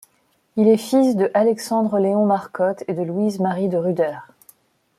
Il est fils de Alexandre Léon Marcotte et de Louise Marie de Rudder.